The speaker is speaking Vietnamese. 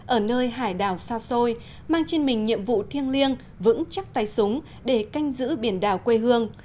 ở nơi hải đảo xa xôi mang trên mình nhiệm vụ thiêng liêng vững chắc tay súng để canh giữ biển đảo quê hương